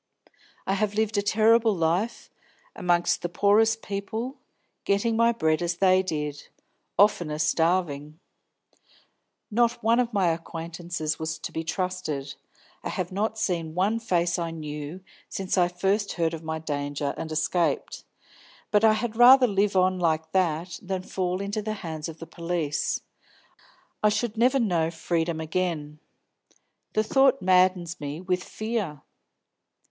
I have lived a terrible life, among the poorest people, getting my bread as they did; oftener starving. Not one of my acquaintances was to be trusted. I have not seen one face I knew since I first heard of my danger and escaped. But I had rather live on like that than fall into the hands of the police; I should never know freedom again. The thought maddens me with fear."